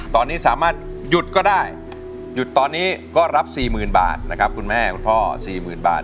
ตอนนี้สามารถหยุดก็ได้หยุดตอนนี้ก็รับสี่หมื่นบาทนะครับคุณแม่คุณพ่อสี่หมื่นบาท